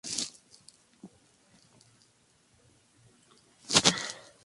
El cráneo neandertal es la mayor y más completo encontrado nunca.